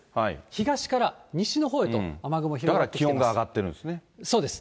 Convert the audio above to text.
東から西のほうへと雨雲、だから気温が上がってるんでそうです。